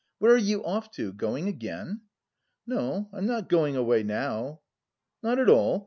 Where are you off to? Going again?" "No, I'm not going away now." "Not at all?